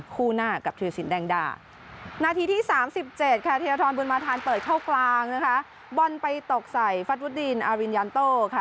คู่หน้ากับธิรสินแดงดานาทีที่๓๗ค่ะธีรทรบุญมาธานเปิดเข้ากลางนะคะบอลไปตกใส่ฟัดวุดดินอารินยานโต้ค่ะ